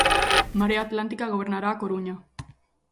Marea Atlántica gobernará A Coruña.